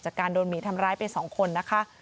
จากการโดนหมีทำร้ายไป๒คนนะคะ